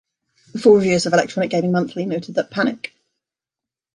The four reviewers of "Electronic Gaming Monthly" noted that "Panic!